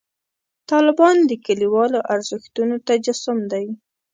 طالبان د کلیوالو ارزښتونو تجسم دی.